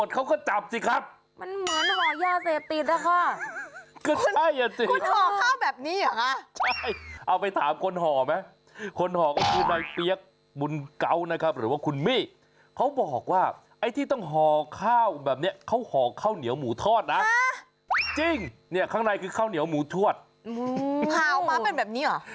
จริงข้างในคือข้าวเหนียวหมูทวดภาวมาเป็นแบบนี้หรอ